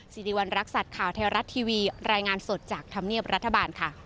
สิริวัณรักษัตริย์ข่าวไทยรัฐทีวีรายงานสดจากธรรมเนียบรัฐบาลค่ะ